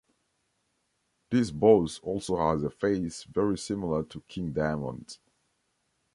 This boss also has a face very similar to King Diamond's.